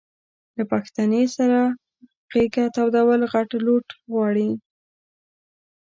له پښتنې سره غېږه تودول غټ لوټ غواړي.